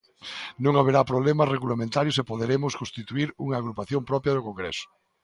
Non haberá problemas regulamentarios e poderemos constituír unha agrupación propia no congreso.